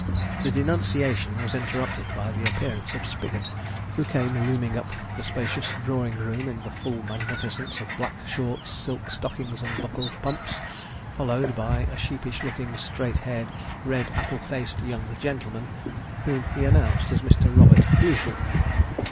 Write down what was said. The denunciation was interrupted by the appearance of Spigot, who came looming up the spacious drawing room in the full magnificence of black shorts, silk stockings, and buckled pumps, followed by a sheepish looking, straight haired, red apple faced young gentleman, whom he announced as Mr. Robert Foozle.